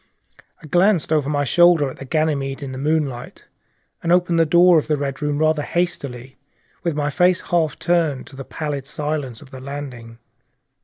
I glanced over my shoulder at the black Ganymede in the moonlight, and opened the door of the Red Room rather hastily, with my face half turned to the pallid silence of the corridor.